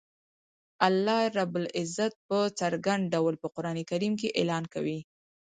الله رب العزت په څرګند ډول په قران کریم کی اعلان کوی